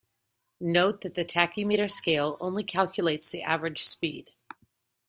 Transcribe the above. Note that the tachymeter scale only calculates the average speed.